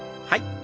はい。